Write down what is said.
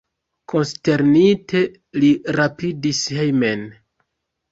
Konsternite li rapidis hejmen.